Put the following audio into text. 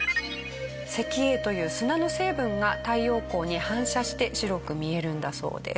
石英という砂の成分が太陽光に反射して白く見えるんだそうです。